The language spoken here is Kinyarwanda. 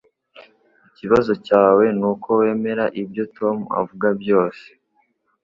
Ikibazo cyawe nuko wemera ibyo Tom avuga byose